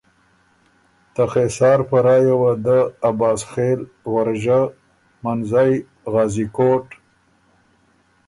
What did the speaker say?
ته خېسار په رایه وه دۀ ته عباسخېل، ورژۀ، منزئ، غازی کوټ،